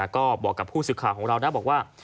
ก็บอกกับผู้สื่อข่าวของเรานะบอกว่า